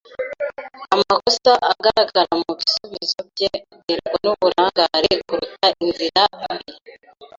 Amakosa agaragara mubisubizo bye aterwa n'uburangare kuruta inzira mbi.